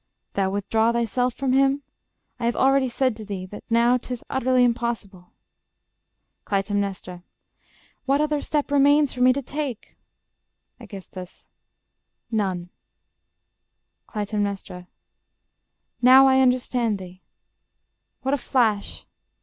_ Thou withdraw thyself From him? I have already said to thee That now 'tis utterly impossible. Cly. What other step remains for me to take? ... Aegis. None. Cly. Now I understand thee. What a flash.